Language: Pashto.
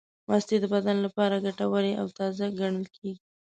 مستې د بدن لپاره ګټورې او تازې ګڼل کېږي.